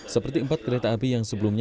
seperti empat kereta api yang sebelumnya